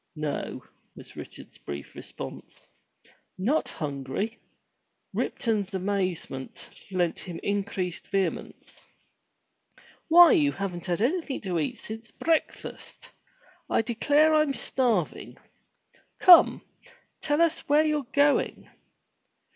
"No," was Richard's brief response. "Not hungry!" Ripton's amazement lent him increased 231 MY BOOK HOUSE vehemence. "Why you haven't had anything to eat since break fast ! I declare Fm starving. Come, tell us where youVe going.'